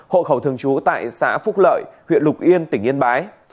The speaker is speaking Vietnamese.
hộ khẩu thường trú tại xã phúc lợi huyện lục yên tỉnh yên bái